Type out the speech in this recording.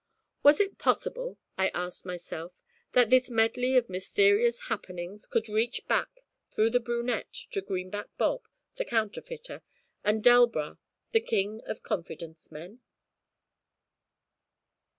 Was it possible, I asked myself, that this medley of mysterious happenings could reach back through the brunette to Greenback Bob, the counterfeiter, and Delbras, the king of confidence men?